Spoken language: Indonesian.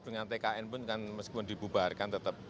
dengan tkn pun kan meskipun dibubarkan tetap